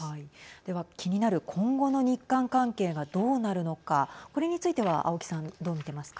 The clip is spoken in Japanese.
では気になる今後の日韓関係がどうなるのかこれについては青木さん、どう見ていますか。